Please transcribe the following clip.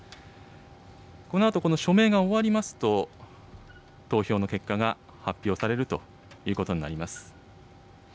このあと、この署名が終わりますと、投票の結果が発表されるということになります。